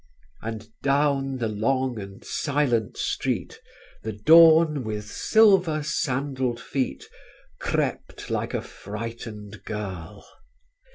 "And down the long and silent street, The dawn, with silver sandalled feet, Crept like a frightened girl."